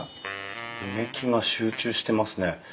埋木が集中してますね。